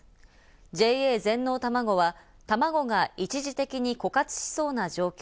ＪＡ全農たまごは、たまごが一時的に枯渇しそうな状況。